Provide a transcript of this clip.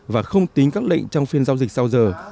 và không tính các lệnh trong phiên giao dịch sau giờ